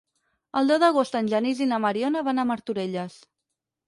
El deu d'agost en Genís i na Mariona van a Martorelles.